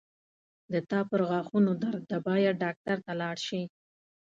د تا پرغاښونو درد ده باید ډاکټر ته لاړ شې